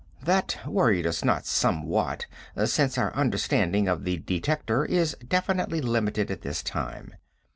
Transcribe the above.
"That worried us not somewhat, since our understanding of the detector is definitely limited at this time.